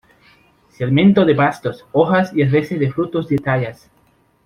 Se alimentan de pastos, hojas y a veces de frutos de talas.